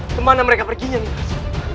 kemana mereka perginya nimas